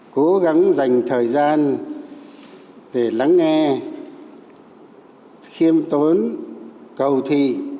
cố gắng dành thời gian để lắng nghe khiêm tốn cầu thị